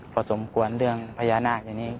พอสมควรเรื่องพญานาคอย่างนี้